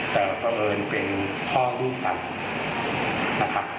แต่เผอิญเป็นข้อลูกกันนะครับ